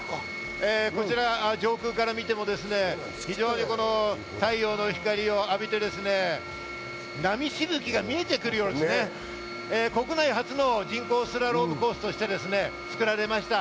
上空から見てみますと、太陽の光を浴びて波しぶきが見えてくるようにね、国内初の人工スラロームコースとして作られました。